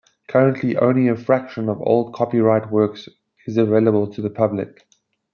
Currently only a fraction of old copyrighted works is available to the public.